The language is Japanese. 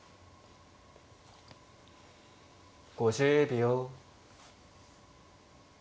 ５０秒。